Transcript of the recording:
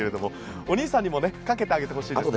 お兄さんにもかけてあげてほしいですね。